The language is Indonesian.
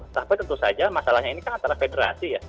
tapi tentu saja masalahnya ini kan antara federasi ya